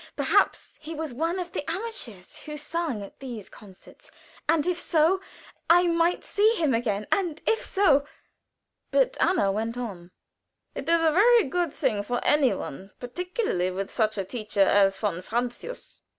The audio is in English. Perhaps he was one of the amateurs who sung at these concerts, and if so, I might see him again, and if so But Anna went on: "It is a very good thing for any one, particularly with such a teacher as von Francius."